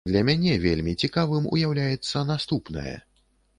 Для мяне вельмі цікавым уяўляецца наступнае.